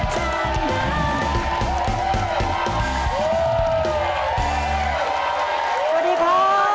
สวัสดีค่ะ